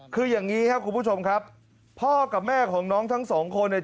คืออย่างนี้ครับคุณผู้ชมครับพ่อกับแม่ของน้องทั้งสองคนเนี่ย